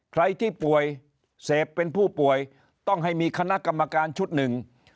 ใครที่ป่วยเสพเป็นผู้ป่วยต้องให้มีคณะกรรมการชุดหนึ่ง